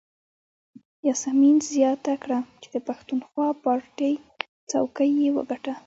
یاسمین زیاته کړه چې د پښتونخوا پارټۍ څوکۍ یې وګټله.